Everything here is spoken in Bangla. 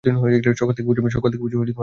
সকাল থেকে বলছি আমার ক্ষুধা পেয়েছে।